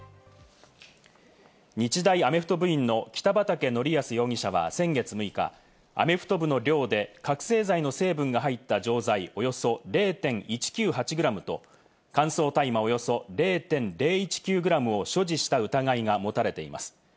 日大アメフト部院の北畠成文容疑者は、先月６日、アメフト部の寮で覚せい剤の成分が入った錠剤およそ０．１９８ｇと乾燥大麻およそ０．０１９グラムを所持した疑いが持たれています。